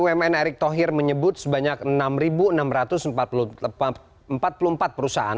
bumn erick thohir menyebut sebanyak enam enam ratus empat puluh empat perusahaan